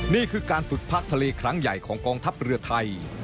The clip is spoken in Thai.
นี่คือการฝึกพักทะเลครั้งใหญ่ของกองทัพเรือไทย